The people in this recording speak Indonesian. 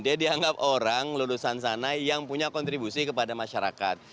dia dianggap orang lulusan sana yang punya kontribusi kepada masyarakat